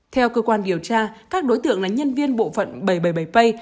theo cơ quan điều tra các đối tượng là nhân viên bộ phận bảy trăm bảy mươi bảy pay